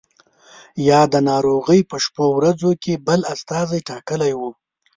یا د ناروغۍ په شپو ورځو کې بل استازی ټاکلی وو.